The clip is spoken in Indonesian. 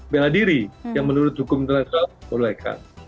bela diri yang menurut hukum tersebut bolehkan